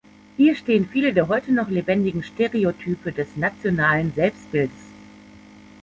Hier stehen viele der heute noch lebendigen Stereotype des nationalen Selbstbildes.